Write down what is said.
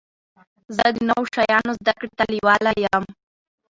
زه د نوو شیانو زده کړي ته لېواله يم.